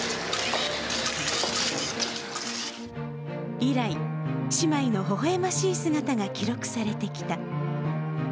以来、姉妹の微笑ましい姿が記録されてきた。